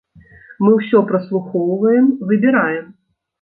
Мы ўсё праслухоўваем, выбіраем.